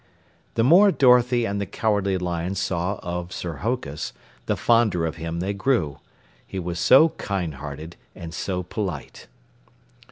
The more Dorothy and the Cowardly Lion saw of Sir Hokus, the fonder of him they grew. He was so kind hearted and so polite.